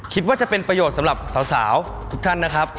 คิดว่าจะเป็นประโยชน์สำหรับสาวทุกท่านนะครับ